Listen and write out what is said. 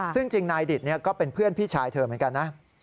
ซึ่งจริงนายดิตก็เป็นเพื่อนพี่ชายเธอเหมือนกันนะ